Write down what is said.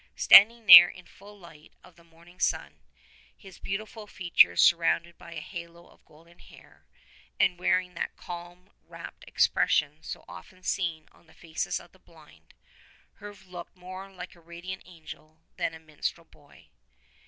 Standing there in the full light of the morning sun, his beautiful features surrounded by a halo of golden hair, and wearing that calm, rapt expression so often seen on the faces of the blind, Herve looked more like a radiant angel than a minstrel boy.